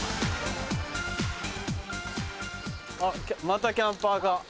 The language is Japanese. あっまたキャンパーが。